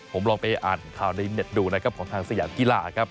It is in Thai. ผมลองไปอ่านข่าวในเน็ตดูนะครับของทางสยามกีฬาครับ